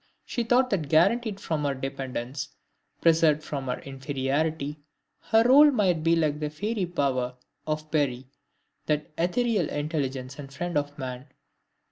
She thought that guaranteed from dependence, preserved from inferiority, her role might be like the fairy power of the Peri, that ethereal intelligence and friend of man.